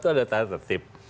itu ada tanda tertib